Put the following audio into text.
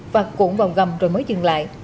và cuộn vào gầm rồi mới dừng lại